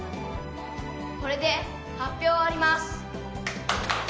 これで発表を終わります。